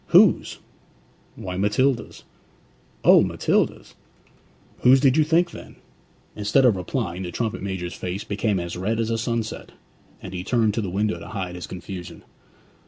'Whose?' 'Why, Matilda's.' 'O, Matilda's!' 'Whose did you think then?' Instead of replying, the trumpet major's face became as red as sunset, and he turned to the window to hide his confusion.